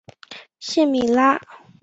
谢米拉。